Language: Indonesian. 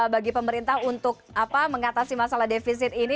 bagi pemerintah untuk mengatasi masalah defisit ini